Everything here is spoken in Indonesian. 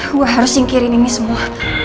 gue harus singkirin ini semua